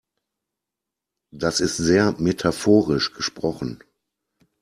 Das ist sehr metaphorisch gesprochen.